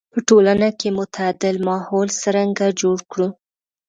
په ټولنه کې معتدل ماحول څرنګه جوړ کړو.